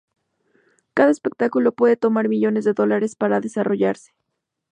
Cada espectáculo puede tomar millones de dólares para desarrollarse.